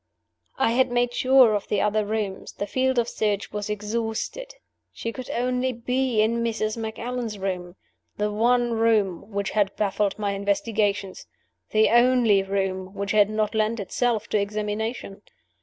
I had made sure of the other rooms; the field of search was exhausted. She could only be in Mrs. Macallan's room the one room which had baffled my investigations; the only room which had not lent itself to examination.